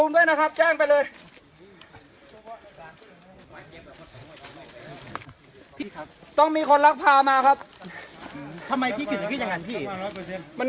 พี่ค่ะต้องมีคนรักพามาครับทำไมพี่กินอย่างงั้นพี่